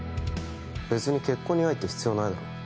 別に結婚に愛って必要ないだろ？